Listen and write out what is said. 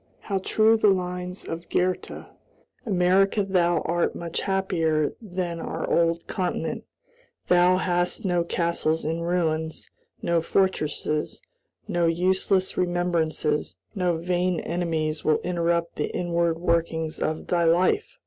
How true the lines of Goethe: "America, thou art much happier than our old continent; thou hast no castles in ruins, no fortresses; no useless remembrances, no vain enemies will interrupt the inward workings of thy life!"